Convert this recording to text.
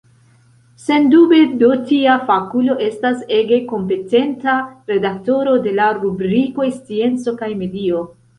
Sendube do tia fakulo estas ege kompetenta redaktoro de la rubrikoj scienco kaj medio.